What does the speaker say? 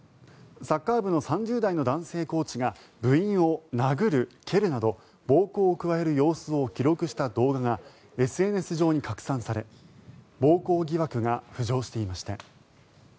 サッカー部の３０代の男性コーチが部員を殴る蹴るなど暴行を加える様子を記録した動画がＳＮＳ上に拡散され暴行疑惑が浮上していました。